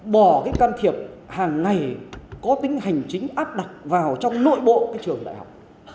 bỏ cái can thiệp hàng ngày có tính hành chính áp đặt vào trong nội bộ trường đại học